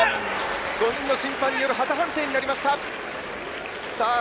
５人の審判による旗判定になりました。